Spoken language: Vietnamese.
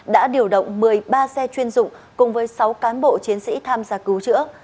đã điều động một mươi ba xe chuyên dụng cùng với sáu cán bộ chiến sĩ tham gia cứu chữa